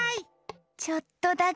ちょっとだけ！